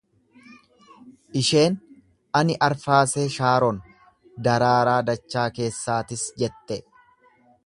Isheen, Ani arfaasee Shaaron, daraaraa dachaa keessaatis jette.